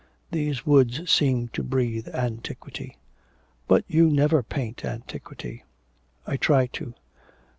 'These woods seem to breathe antiquity.' 'But you never paint antiquity.' 'I try to.